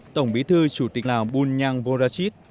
tổng bí thư chủ tịch lào bu nhang vô đa chít